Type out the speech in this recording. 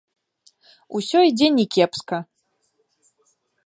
Усё ідзе не кепска.